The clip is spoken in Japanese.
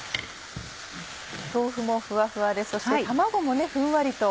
豆腐もふわふわでそして卵もふんわりと。